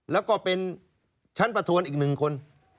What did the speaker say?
แล้วก็เป็นชั้นประทวนอีก๑คน